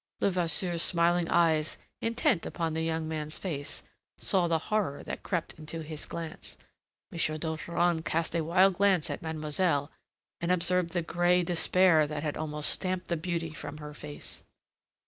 Levasseur's smiling eyes, intent upon the young man's face, saw the horror that crept into his glance. M. d'Ogeron cast a wild glance at mademoiselle, and observed the grey despair that had almost stamped the beauty from her face.